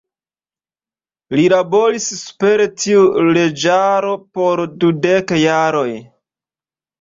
Li laboris super tiu leĝaro por dudek jaroj.